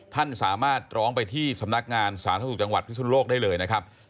ท่านสามารถร้องไปที่สำนักงานสาธารณสุขจังหวัดพิสุนโลกได้เลยนะครับ